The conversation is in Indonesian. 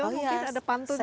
mungkin ada pantun juga